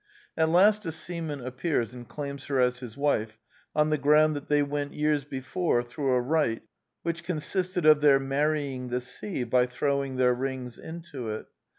At last a seaman appears and claims her as his wife on the ground that they went years before through a rite which consisted of their marrying the sea by throwing their rings into it.